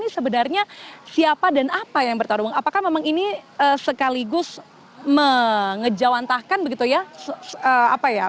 sebenarnya siapa dan apa yang bertarung apakah memang ini sekaligus mengejawantahkan begitu ya